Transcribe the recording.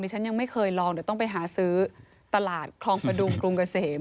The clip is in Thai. ฉันยังไม่เคยลองเดี๋ยวต้องไปหาซื้อตลาดคลองประดุงกรุงเกษม